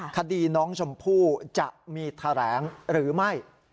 คดีน้องชมพู่จะมีแถลงหรือไม่